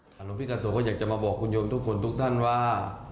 หลวงพี่กาโตก็อยากจะมาบอกคุณโยมทุกคนทุกท่านว่า